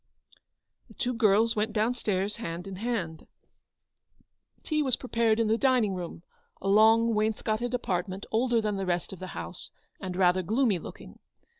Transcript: The two girls went down stairs hand in hand. Tea was prepared in the dining room, a long wainscoted apartment older than the rest of the house, and rather gloomy looking.